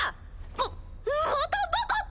ままたバカって。